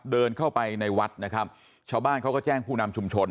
เดินเข้าไปในวัดนะครับชาวบ้านเขาก็แจ้งผู้นำชุมชน